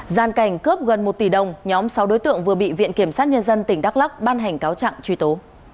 gian cảnh cướp gần một tỷ đồng nhóm sáu đối tượng vừa bị viện kiểm sát nhân dân tỉnh đắk lắc ban hành cáo trạng truy tố